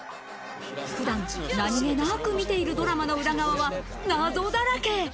普段、何気なく見ているドラマの裏側は謎だらけ。